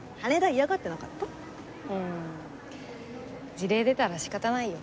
辞令出たら仕方ないよ。